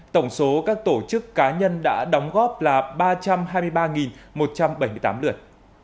tổng số các tổ chức cá nhân đã đóng góp là ba trăm hai mươi ba một trăm bảy mươi tám lượt